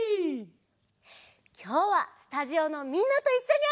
きょうはスタジオのみんなといっしょにあそぶよ！